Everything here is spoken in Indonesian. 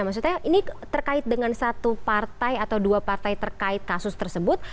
maksudnya ini terkait dengan satu partai atau dua partai terkait kasus tersebut